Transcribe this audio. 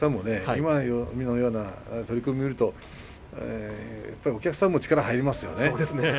今のような取組を見るとやっぱりお客さんも力が入りますよね。